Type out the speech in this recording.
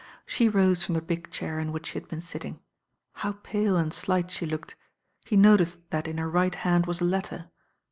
She rose from the big chair in which she had been sittmg. How pale and slight she looked. He no ticed that in her right hand was a letter.